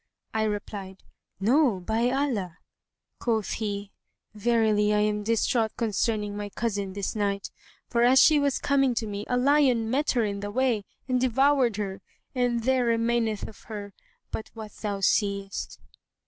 I replied, "No, by Allah!" Quoth he, "Verily, I am distraught concerning my cousin this night; for, as she was coming to me, a lion met her in the way and devoured her, and there remaineth of her but what thou seest."